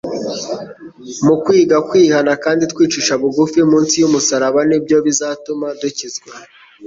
Mu kwiga kwihana kandi twicisha bugufi munsi y'umusaraba ni byo bizatuma dukizwa.